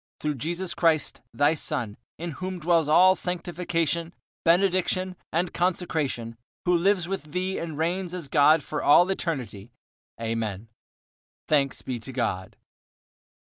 Through Jesus Christ, Thy Son, in whom dwells all sanctification, benediction, and consecration; who lives with Thee and reigns as God for all eternity, Amen. Thanks be to God.